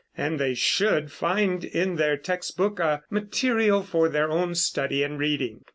And they should find in their text book the material for their own study and reading.